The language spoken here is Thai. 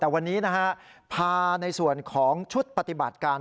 แต่วันนี้นะฮะพาในส่วนของชุดปฏิบัติการ